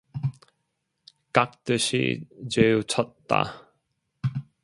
깍듯이 재우쳤다.